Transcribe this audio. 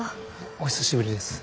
お久しぶりです。